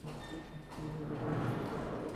নয়তো আমার টাকা ফেরত দিতে বলেছি।